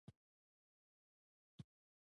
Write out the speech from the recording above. د دوی هدف د خلکو لپاره سوکالي ترلاسه کول دي